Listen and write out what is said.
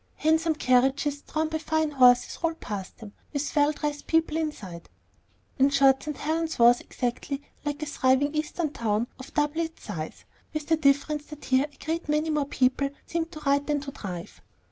Handsome carriages drawn by fine horses rolled past them, with well dressed people inside. In short, St. Helen's was exactly like a thriving Eastern town of double its size, with the difference that here a great many more people seemed to ride than to drive.